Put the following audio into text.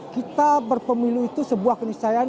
kita berpemilu itu sebuah keniscayaan